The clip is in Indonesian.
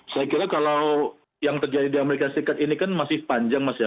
saya kira kalau yang terjadi di amerika serikat ini kan masih panjang mas ya